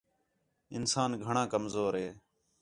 انسان گھݨاں کمزور ہے